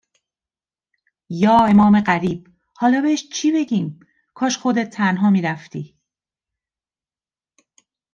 یا امام غریب! حالا بهش چی بگیم؟ کاش خودت تنها میرفتی!